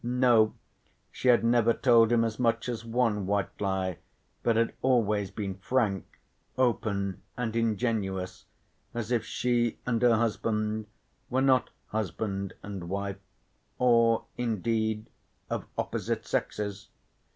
No, she had never told him as much as one white lie, but had always been frank, open and ingenuous as if she and her husband were not husband and wife, or indeed of opposite sexes.